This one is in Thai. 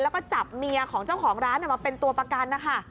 แล้วก็จับเมียของเจ้าของร้านมาเป็นตัวประกันนะคะ